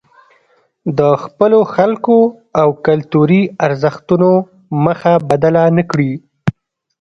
د خپلو خلکو او کلتوري ارزښتونو مخه بدله نکړي.